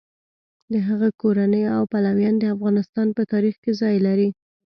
د هغه کورنۍ او پلویان د افغانستان په تاریخ کې ځای لري.